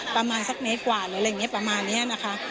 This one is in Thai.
ประมาณสักเมตรกว่าหรืออะไรอย่างนี้ประมาณนี้นะคะ